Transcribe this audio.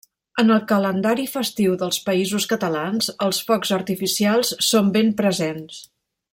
En el calendari festiu dels Països Catalans, els focs artificials són ben presents.